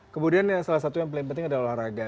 kemudian salah satu yang paling penting adalah olahraga